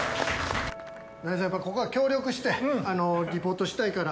中西さんやっぱここは協力してリポートしたいから。